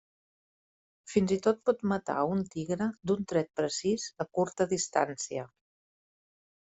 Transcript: Fins i tot pot matar a un tigre d'un tret precís a curta distància.